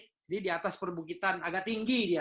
jadi di atas perbukitan agak tinggi dia